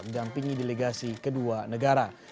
mendampingi delegasi kedua negara